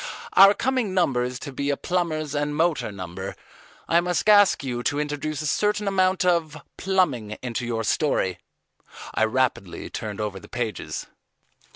"Our coming number is to be a Plumbers' and Motor Number. I must ask you to introduce a certain amount of plumbing into your story." I rapidly turned over the pages.